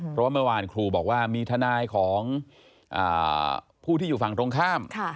เพราะว่าเมื่อวานครูบอกว่ามีทนายของผู้ที่อยู่ฝั่งตรงข้าม